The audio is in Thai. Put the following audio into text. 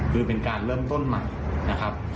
คือเป็นการเริ่มต้นใหม่นะครับ